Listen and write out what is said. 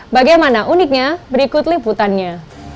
bagaimana uniknya berikut liputannya